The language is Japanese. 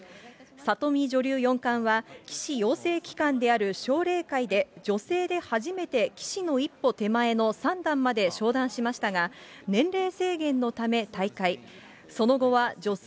里見女流四冠は棋士養成機関である奨励会で、女性で初めて棋士の一歩手前の三段まで昇段しましたが、年齢制限のため退会。